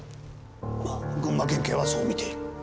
まあ群馬県警はそう見ている。